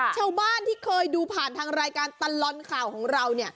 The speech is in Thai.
ชาวบ้านที่เคยดูผ่านทางรายการตลอดข่าวของเรา